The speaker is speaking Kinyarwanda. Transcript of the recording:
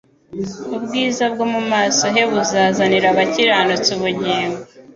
Ubwiza bwo mu maso he buzazanira abakiranutsi ubugingo,